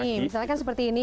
nih misalnya kan seperti ini